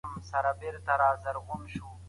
هغوی په میز باندې اسناد په ځیر سره ګوري.